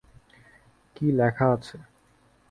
কি লেখা আছে?